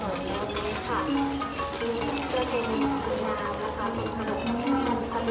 สวัสดีครับข้างหลังครับ